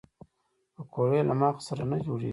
پکورې له مغز سره نه جوړېږي